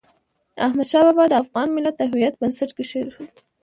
احمد شاه بابا د افغان ملت د هویت بنسټ کېښود.